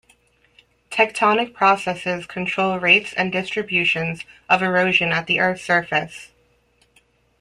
Tectonic processes control rates and distributions of erosion at the Earth's surface.